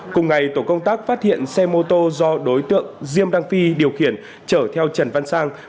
cùng ngày tổ công tác phát hiện xe mô tô do đối tượng diêm đăng phi điều khiển chở theo trần văn sang